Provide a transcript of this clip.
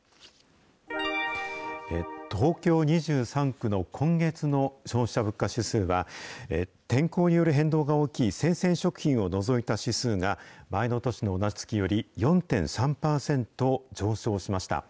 東京２３区の今月の消費者物価指数は、天候による変動が大きい生鮮食品を除いた指数が、前の年の同じ月より４．３％上昇しました。